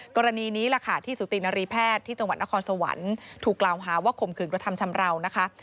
กรณีนี้แหละค่ะที่สุตินรีแพทย์ที่จังหวัดนครสวรรค์ถูกกล่าวหาว่าข่มขืนกระทำชำราวนะคะ